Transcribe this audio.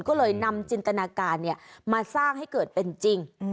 ก็เลยนำจินตนาการมาสร้างให้เกิดเป็นจริง